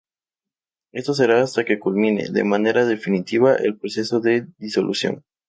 Esto será hasta que culmine, de manera definitiva, el proceso de disolución.